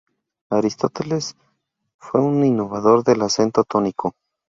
Aristófanes fue el innovador del acento tónico.